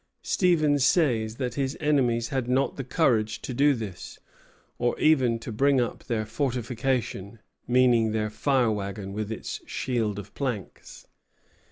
Stevens says that his enemies had not the courage to do this, or even to bring up their "fortification," meaning their fire wagon with its shield of planks.